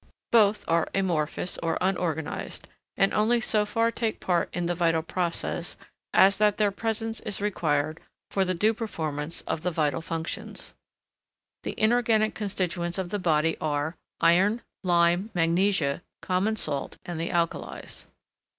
Both are amorphous or unorganised, and only so far take part in the vital process as that their presence is required for the due performance of the vital functions. The inorganic constituents of the body are, iron, lime, magnesia, common salt, and the alkalies.